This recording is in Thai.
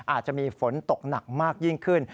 อาจจะมีฝนตกหนักมากยิ่งขึ้น